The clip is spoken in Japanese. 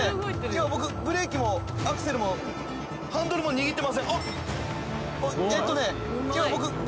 今僕ブレーキもアクセルもハンドルも握ってません。